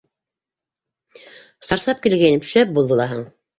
Сарсап килгәйнем, шәп булды лаһаң!